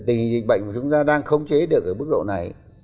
tình hình dịch bệnh mà chúng ta đang khống chế được ở bức độ này